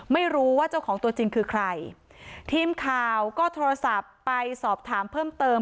ไม่รู้ว่าเจ้าของตัวจริงคือใครทีมข่าวก็โทรศัพท์ไปสอบถามเพิ่มเติม